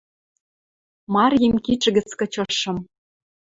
Марйим кидшӹ гӹц кычышым.